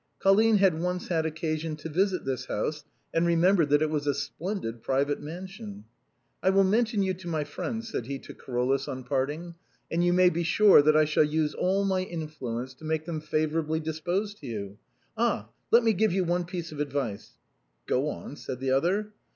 Colline had once had occasion to visit this house, and remembered that it was a splendid private mansion, " I will mention you to my friends," said he to Carolus, on parting ;" and you may be sure that I shall use all my influence to make them favorably disposed to you. Ah, let me give you one piece of advice." " Go on," said the other.